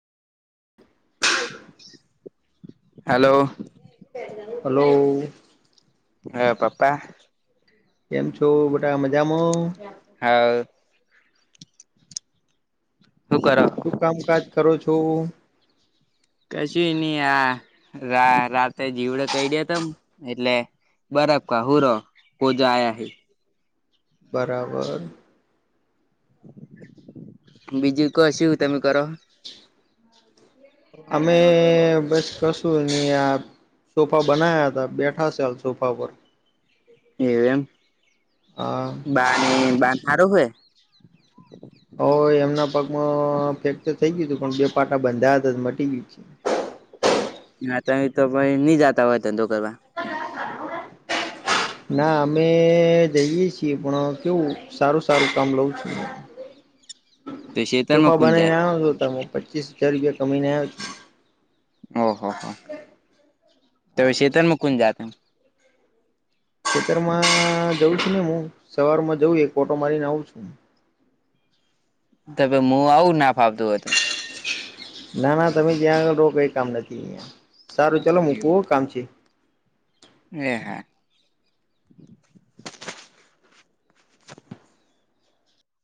hello hello હ પપ્પા કેમ છો બટા મજામાં હા શું કર શું કામકાજ કરો છો કશી નહી આ રા રાતે જીવડ કઈડયા તા એટલે બરફ ઘહુ લો હોજા આયા હે બરાબર બીજું કો સુ તમે કરો અમે બસ કશું હી આ સોફા બનાયા હતા બેઠા સે હાલ સોફા પર એવું એમ હ બા ને બાપ હારો હે હવ એમના પગમાં ફેકચર થઇ ગયું તું પણ બે પાટા બંધા હતા જ મટી ગય નાતા ઇ તો ભઈ ની જાતા આવો ધંધો કરવા ના અમે જઈએ છીએ પણ કેવું સારું સારું કામ લઉં છું તો શેતરમાં સોફા કુણ જાય બનાવીને આવ્યો છું અતાર માં પચીસ હજાર રૂપિયા કમઈન આયો છું ઓ હો હો તો હા સીતન મૂકું જાતે ખેતરમાં જઉં છું ને હું સવારમાં જઉ એક ઓટો મારીન આવું તો તો મુ આવું ના ફાવતું હોતો ના ના તમે ત્યાં આગળ રો કઈ કામ નથી અહીયા સારું ચલો મૂકું હો કામ છે એ હા